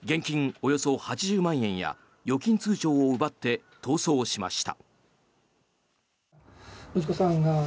およそ８０万円や預金通帳を奪って逃走しました。